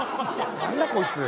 何だこいつ。